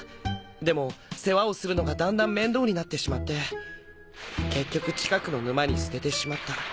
でも世話をするのがだんだん面倒になってしまって結局近くの沼に捨ててしまった。